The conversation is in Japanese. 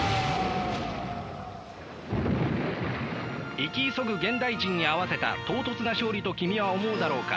生き急ぐ現代人に合わせた唐突な勝利と君は思うだろうか。